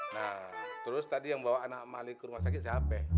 nah terus tadi yang bawa anak malik ke rumah sakit capek